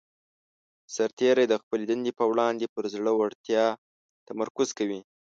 سرتیری د خپلې دندې په وړاندې پر زړه ورتیا تمرکز کوي.